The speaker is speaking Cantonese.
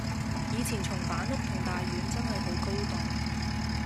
以前松板屋同大丸真係好高檔